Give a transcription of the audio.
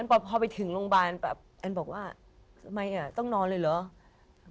อันปวดพอไปถึงโรงพยาบาลอันแบบอันบอกว่าทำไมอ่ะต้องนอนเลยเหรอ